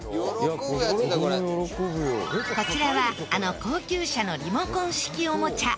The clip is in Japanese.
こちらはあの高級車のリモコン式おもちゃ。